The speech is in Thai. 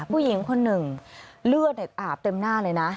ผู้หญิงคนหนึ่งเลือดอาบเต็มหน้าเลยนะ